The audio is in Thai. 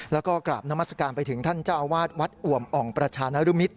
แล้วก็กราบนามัศกาลไปถึงท่านเจ้าอาวาสวัดอวมอ่องประชานรุมิตร